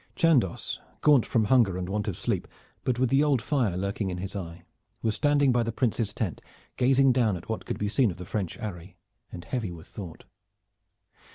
Chandos, gaunt from hunger and want of sleep, but with the old fire lurking in his eye, was standing by the Prince's tent, gazing down at what could be seen of the French array, and heavy with thought.